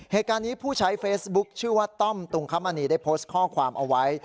เหตุการณ์นี้ผู้ใช้เฟซบุ๊คชื่อว่าต้อมตุงคมณีได้โพสต์ข้อความเอาไว้